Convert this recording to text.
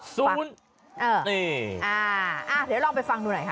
ฟังเอออ่าเดี๋ยวลองไปฟังดูหน่อยค่ะ